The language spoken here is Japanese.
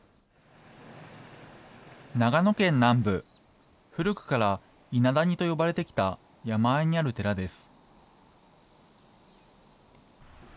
長野県南部、古くから伊那谷と呼ばれてきた山あいにある寺です。